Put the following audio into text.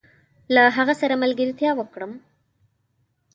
له هغه سره ملګرتيا وکړم؟